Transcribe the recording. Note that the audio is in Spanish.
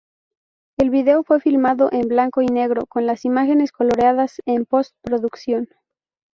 El video fue filmado en blanco y negro con las imágenes coloreadas en post-producción.